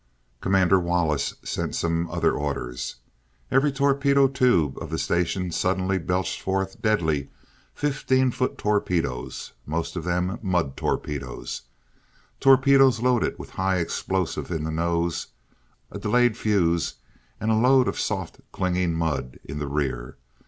Commander Wallace sent some other orders. Every torpedo tube of the station suddenly belched forth deadly, fifteen foot torpedoes, most of them mud torpedoes, torpedoes loaded with high explosive in the nose, a delayed fuse, and a load of soft clinging mud in the rear.